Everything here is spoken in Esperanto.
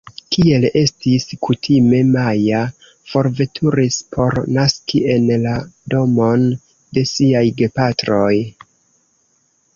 Kiel estis kutime, Maja forveturis por naski en la domon de siaj gepatroj.